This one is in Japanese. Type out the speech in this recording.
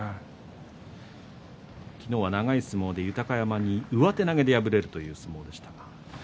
昨日は長い相撲で豊山に上手投げで敗れるという相撲でした。